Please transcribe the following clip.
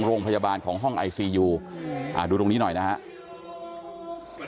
โรงพยาบาลของห้องไอซียูดูตรงนี้หน่อยนะครับ